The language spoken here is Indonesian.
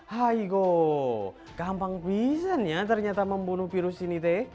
hai goh gampang bisa ternyata membunuh virus ini